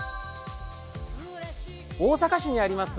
大阪市にあります